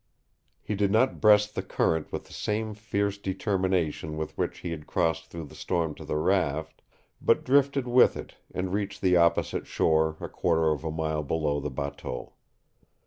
He did not breast the current with the same fierce determination with which he had crossed through the storm to the raft, but drifted with it and reached the opposite shore a quarter of a mile below the bateau.